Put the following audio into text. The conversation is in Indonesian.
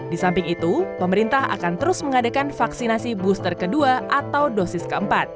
di samping itu pemerintah akan terus mengadakan vaksinasi booster ke dua atau dosis ke empat